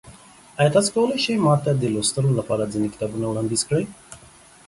ایا تاسو کولی شئ ما ته د لوستلو لپاره ځینې کتابونه وړاندیز کړئ؟